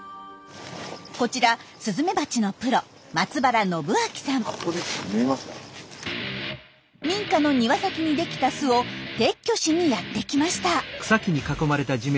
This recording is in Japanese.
こちらスズメバチのプロ民家の庭先に出来た巣を撤去しにやって来ました。